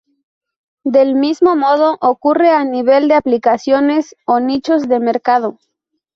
Del mismo modo ocurre a nivel de aplicaciones o nichos de mercado.